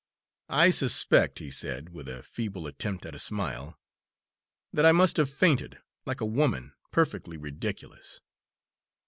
"I suspect," he said, with a feeble attempt at a smile, "that I must have fainted like a woman perfectly ridiculous."